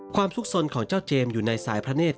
ทุกสนของเจ้าเจมส์อยู่ในสายพระเนธ